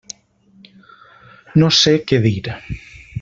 No sé què dir.